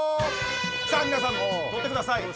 さぁ皆さん取ってください！